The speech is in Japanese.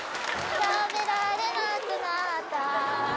食べられなくなった。